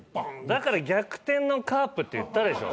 だから逆転のカープって言ったでしょ。